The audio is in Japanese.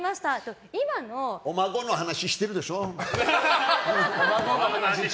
お孫の話してるでしょ。